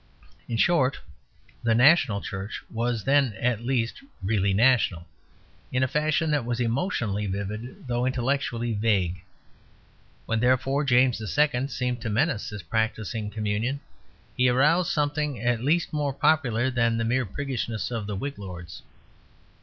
In short, the national church was then at least really national, in a fashion that was emotionally vivid though intellectually vague. When, therefore, James II. seemed to menace this practising communion, he aroused something at least more popular than the mere priggishness of the Whig lords.